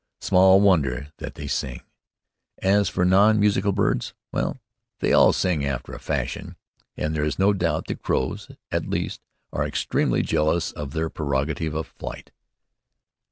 Small wonder that they sing. As for non musical birds well, they all sing after a fashion, and there is no doubt that crows, at least, are extremely jealous of their prerogative of flight.